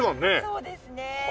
そうですね。